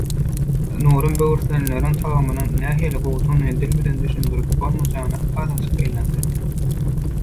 Nurum böwürslenleriň tagamynyň nähili gowudygyny dil bilen düşündirip bolmajagyna azajyk gynandy.